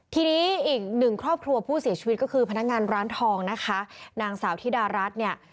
ทีนี้อีกหนึ่งครอบครัวผู้เสียชีวิตก็คือพนักงานร้านทองนะคะนางสาวธิดารัฐเนี่ย